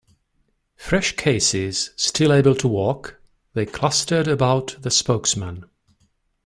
Fresh cases, still able to walk, they clustered about the spokesman.